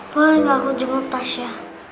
boleh gak aku jemput tasya